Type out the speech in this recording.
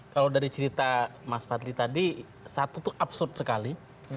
kalau dari cerita mas fadli tadi satu itu absurd sekali